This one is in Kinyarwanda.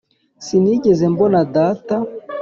sinigeze mbona data,